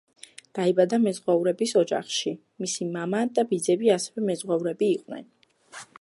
დაიბადა მეზღვაურების ოჯახში: მისი მამა და ბიძები ასევე მეზღვაურები იყვნენ.